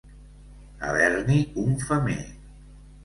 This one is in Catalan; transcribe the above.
Haver-n'hi un femer.